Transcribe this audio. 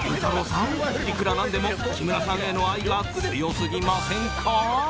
さんいくらなんでも木村さんへの愛が強すぎませんか？